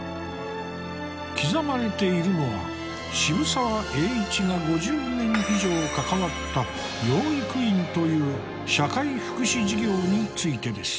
刻まれているのは渋沢栄一が５０年以上関わった「養育院」という社会福祉事業についてです。